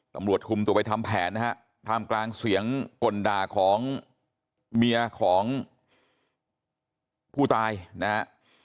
ตำรวจคุมตัวไปทำแผนนะฮะท่ามกลางเสียงกลด่าของเมียของผู้ตายนะฮะ